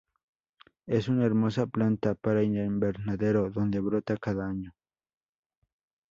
Es una hermosa planta para invernadero donde brota cada año.